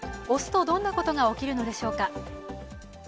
押すとどんなことが起きるのでしょうか。